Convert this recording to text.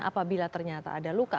apabila ternyata ada luka